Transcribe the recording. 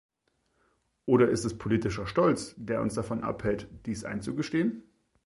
Oder ist es politischer Stolz, der uns davon abhält, dies einzugestehen?